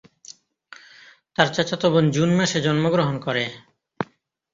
তার চাচাতো বোন জুন মাসে জন্মগ্রহণ করে।